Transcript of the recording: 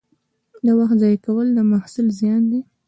د وخت ضایع کول د محصل زیان دی.